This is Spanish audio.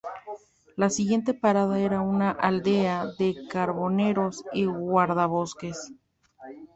La siguiente parada era una aldea de carboneros y guardabosques.